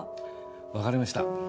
わかりました。